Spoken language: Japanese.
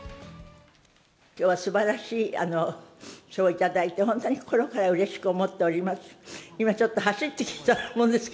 きょうはすばらしい賞を頂いて、本当に心からうれしく思っております。